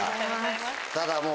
ただもう。